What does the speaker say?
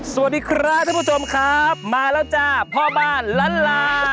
สวัสดีครับท่านผู้ชมครับมาแล้วจ้าพ่อบ้านล้านลา